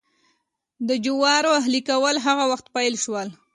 د جوارو اهلي کول هغه وخت پیل شول.